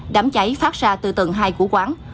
đám cháy phát ra từ tầng hai của quán